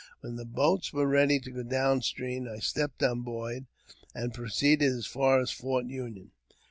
When the boats were ready to go down stream I stepped on board, and proceeded as far as Fort Union.